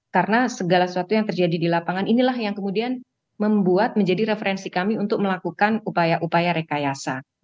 karena segala sesuatu yang terjadi di lapangan inilah yang kemudian membuat menjadi referensi kami untuk melakukan upaya upaya rekayasa